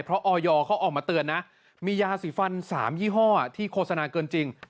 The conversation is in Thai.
เพราะออยเขาออกมาเตือนนะมียาสีฟัน๓ยี่ห้อที่โฆษณาเกินจริง